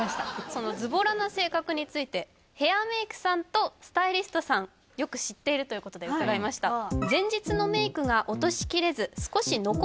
そのズボラな性格についてヘアメークさんとスタイリストさんよく知っているということで伺いましたどういうこと？